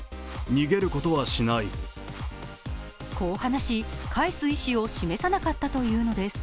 こう話し返す意思を示さなかったというのです。